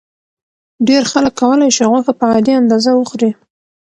ډېر خلک کولی شي غوښه په عادي اندازه وخوري.